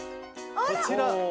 こちら。